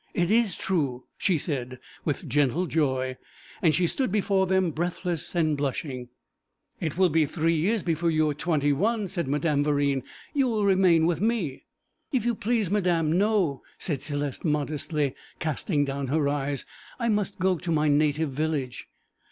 'It is true,' she said, with gentle joy, and she stood before them breathless and blushing. 'It will be three years before you are twenty one,' said Madame Verine; 'you will remain with me.' 'If you please, madam, no,' said Céleste, modestly casting down her eyes; 'I must go to my native village.'